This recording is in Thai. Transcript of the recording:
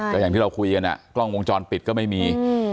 ก็อย่างที่เราคุยกันกล้องวงจรปิดก็ไม่มี